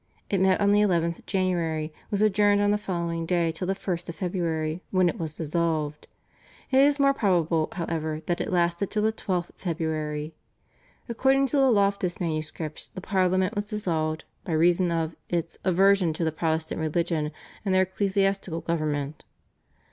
It met on the 11th January, was adjourned on the following day till the 1st of February, when it was dissolved. It is more probable, however, that it lasted till the 12th February. According to the Loftus manuscripts the Parliament was dissolved "by reason of [its] aversion to the Protestant religion, and their ecclesiastical government."